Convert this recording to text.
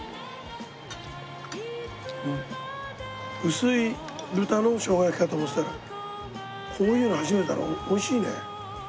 薄い豚の生姜焼きかと思ってたらこういうの初めてだけど美味しいね。